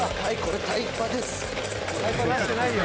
タイパになってないよ。